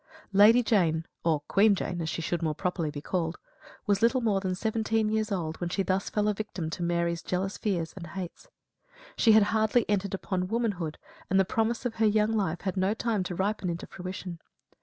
Lady Jane or Queen Jane, as she should more properly be called was little more than seventeen years old when she thus fell a victim to Mary's jealous fears and hate. She had hardly entered upon womanhood, and the promise of her young life had had no time to ripen into fruition.